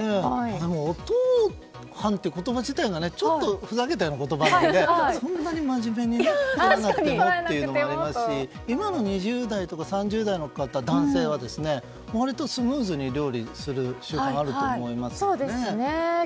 おとう飯って言葉自体がちょっとふざけた言葉なのでそんなに真面目にとらなくてもっていうのはありますし今の２０代とか３０代の男性は割とスムーズに料理する習慣があると思いますので。